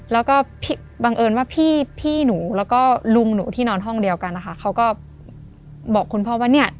แล้วก็บังเอิญว่าพี่หนูแล้วก็ลุงหนูที่นอนห้องเดียวกันนะคะเขาก็บอกคุณพ่อว่าเนี่ย